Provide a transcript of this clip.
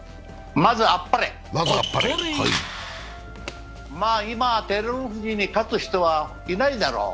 まあ、今、照ノ富士に勝つ人はいないだろう。